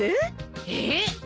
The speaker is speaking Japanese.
えっ？